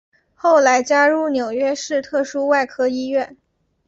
后来加入纽约市特殊外科医院。